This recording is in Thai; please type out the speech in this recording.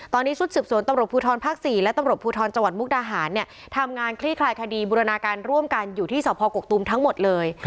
ตอนนี้ชุดสืบสวนตำรวจภูทรภาค๔และตำรวจภูทรจังหวัดมุกดาหารเนี่ยทำงานคลี่คลายคดีบูรณาการร่วมกันอยู่ที่สพกกตูมทั้งหมดเลย